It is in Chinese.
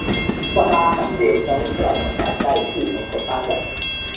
布哈拉汗国将伊斯兰文化加以继承和发展。